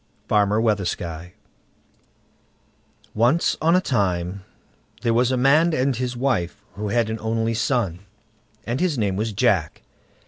FARMER WEATHERSKY Once on a time there was a man and his wife, who had an only son, and his name was Jack.